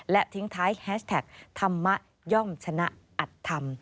และทิ้งท้ายแฮชแท็กธรรมะย่อมชนะอัดธรรม